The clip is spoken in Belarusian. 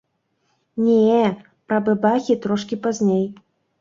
Не, пра бэбахі трошкі пазней.